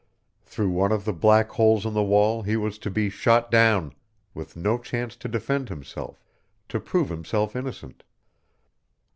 Through one of the black holes in the wall he was to be shot down, with no chance to defend himself, to prove himself innocent.